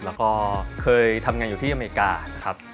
แล้วก็เคยทำงานอยู่ที่อเมริกานะครับ